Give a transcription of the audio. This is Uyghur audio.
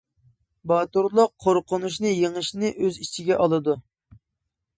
باتۇرلۇق قورقۇنچنى يېڭىشنى ئۆز ئىچىگە ئالىدۇ.